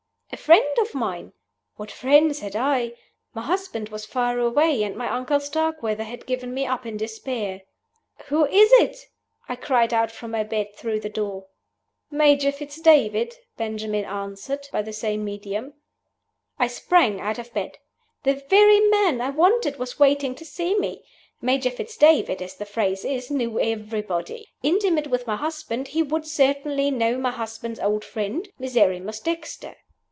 A friend of mine? What friends had I? My husband was far away; and my uncle Starkweather had given me up in despair. "Who is it?" I cried out from my bed, through the door. "Major Fitz David," Benjamin answered, by the same medium. I sprang out of bed. The very man I wanted was waiting to see me! Major Fitz David, as the phrase is, knew everybody. Intimate with my husband, he would certainly know my husband's old friend Miserrimus Dexter.